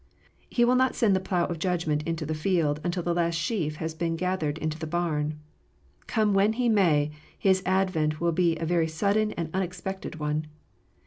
He will not send the plough of judgment into the field till the last sheaf has been gathered into the barn. Come when He may, His advent will be a very sudden and unexpected one.